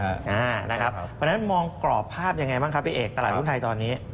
เพราะฉะนั้นมองกรอบภาพยังไงบ้างครับพี่เอกตลาดหุ้นไทยตอนนี้